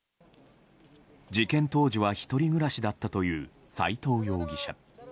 事件当時は１人暮らしだったという斎藤容疑者。